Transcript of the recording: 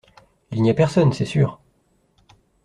Il n’y a personne, c’est sûr.